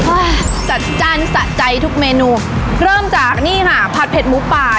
จัดจ้านสะใจทุกเมนูเริ่มจากนี่ค่ะผัดเผ็ดหมูป่า